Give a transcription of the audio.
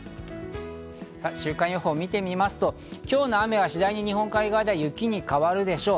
週間予報を見てみますと、今日の雨は次第に日本海側では雪に変わるでしょう。